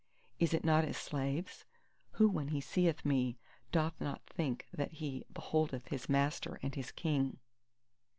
Is it not as slaves? Who when he seeth me doth not think that he beholdeth his Master and his King?